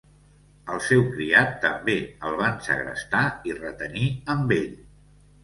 Al seu criat també el van segrestar i retenir amb ell.